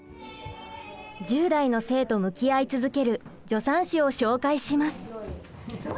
１０代の性と向き合い続ける助産師を紹介します。